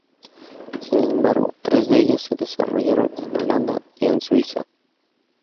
Sin embargo tres de ellas se desarrollaron en Holanda y en Suiza.